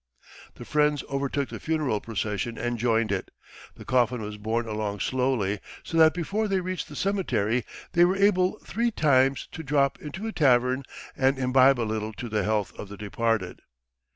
The friends overtook the funeral procession and joined it. The coffin was borne along slowly so that before they reached the cemetery they were able three times to drop into a tavern and imbibe a little to the health of the departed.